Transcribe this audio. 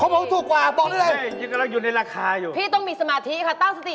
แล้วคุ้ยคว้างไปถึงดาวของขาดนี้พี่ต้องมีสมาธิค่ะตั้งสติ